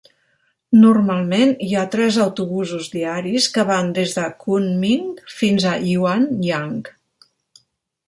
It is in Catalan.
Normalment hi ha tres autobusos diaris que van des de Kunming fins a Yuanyang.